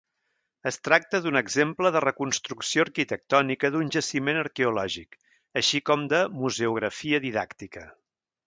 Es tracta d'un exemple de reconstrucció arquitectònica d'un jaciment arqueològic, així com de museografia didàctica.